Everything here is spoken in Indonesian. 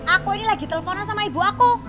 aku ini lagi teleponan sama ibu aku